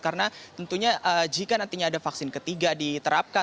karena tentunya jika nantinya ada vaksin ketiga diterapkan